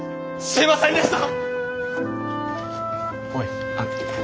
すいませんでした！